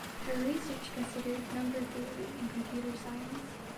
Her research considered number theory and computer science.